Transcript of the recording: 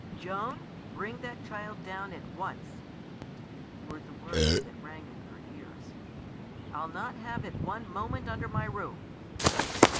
"Joan, bring that child down at once!" were the words that rang in her ears; "I'll not have it one moment under my roof."